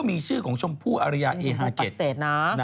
มีชื่อของชมพู่อริยาเอฮาเก็ตนะ